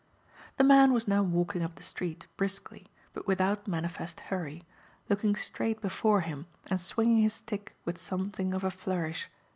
The man was now walking up the street, briskly, but without manifest hurry; looking straight before him and swinging his stick with something of a flourish.